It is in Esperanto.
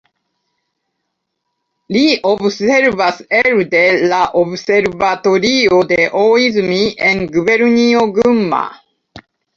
Li observas elde la observatorio de Ooizumi en gubernio Gunma.